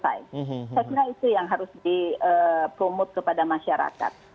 saya kira itu yang harus dipungut kepada masyarakat